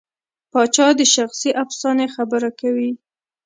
پاچا د شخصي افسانې خبره کوي.